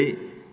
tạo động lực